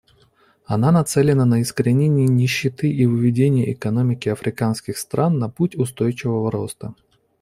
Она нацелена на искоренение нищеты и выведение экономики африканских стран на путь устойчивого роста.